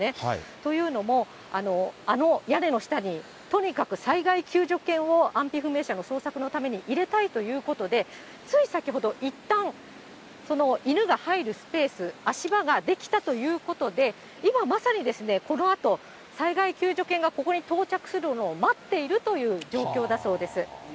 というのも、あの屋根の下に、とにかく災害救助犬を、安否不明者の捜索のために入れたいということで、つい先ほど、いったんその犬が入るスペース、足場が出来たということで、今まさに、このあと、災害救助犬がここに到着するのを待っているという状況だそうです。